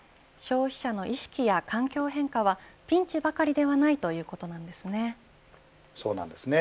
消費者の意識や環境変化はピンチばかりではないそうなんですね。